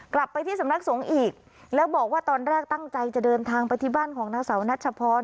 กลับไปที่สำนักสงฆ์อีกแล้วบอกว่าตอนแรกตั้งใจจะเดินทางไปที่บ้านของนางสาวนัชพร